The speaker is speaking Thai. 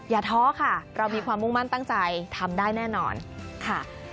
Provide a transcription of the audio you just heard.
ท้อค่ะเรามีความมุ่งมั่นตั้งใจทำได้แน่นอนค่ะ